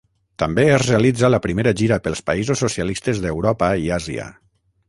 També es realitza la primera gira pels països socialistes d'Europa i Àsia.